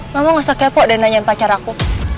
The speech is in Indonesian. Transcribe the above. mama gak usah kepo dan nanyain pacar aku